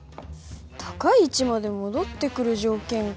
高い位置まで戻ってくる条件か。